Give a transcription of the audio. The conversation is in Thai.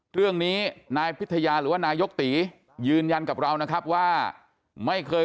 เรื่องนี้นายพิทยาหรือว่านายกตียืนยันกับเรานะครับว่าไม่เคย